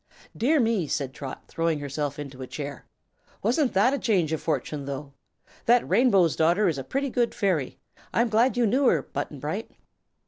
"Dear me," said Trot, throwing herself into a chair, "wasn't that a sudden change of fortune, though? That Rainbow's Daughter is a pretty good fairy. I'm glad you knew her, Button Bright."